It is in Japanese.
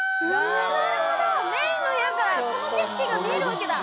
なるほどメインの部屋からこの景色が見えるわけだ。